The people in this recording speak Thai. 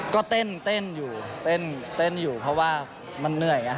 ก็เต้นอยู่เต้นอยู่เพราะว่ามันเหนื่อยไง